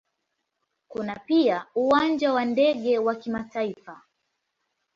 Kuna pia Uwanja wa ndege wa kimataifa.